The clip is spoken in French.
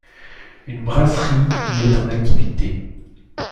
Une brasserie y est en activité.